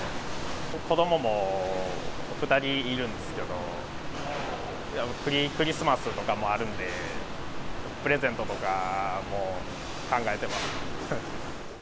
子どもも２人いるんですけど、クリスマスとかもあるんで、プレゼントとかも考えてます。